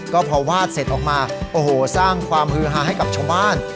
ก็พอวาดเสร็จออกมาโอ้โหสร้างความฮือฮาให้กับชาวบ้าน